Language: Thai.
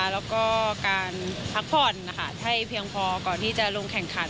แล้วก็การพักผ่อนให้เพียงพอก่อนที่จะลงแข่งขัน